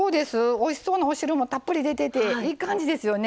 おいしそうなお汁もたっぷり出てていい感じですよね。